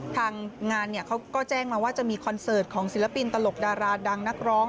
ทางงานเขาก็แจ้งมาว่าจะมีคอนเสิร์ตของศิลปินตลกดาราดังนักร้อง